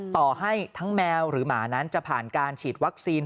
ต่อให้ทั้งแมวหรือหมานั้นจะผ่านการฉีดวัคซีน